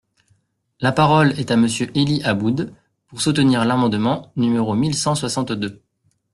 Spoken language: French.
La parole est à Monsieur Élie Aboud, pour soutenir l’amendement numéro mille cent soixante-deux.